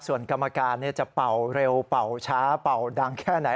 ส่วนกรรมการจะเป่าเร็วเป่าช้าเป่าดังแค่ไหน